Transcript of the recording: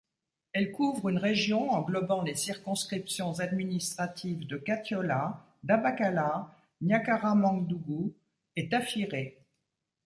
Elle couvre une région englobant les circonscriptions administratives de Katiola, Dabakala, Niakaramandougou et Tafiré.